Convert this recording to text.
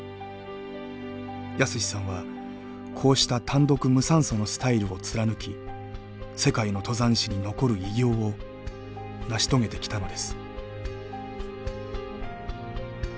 泰史さんはこうした単独無酸素のスタイルを貫き世界の登山史に残る偉業を成し遂げてきたのです。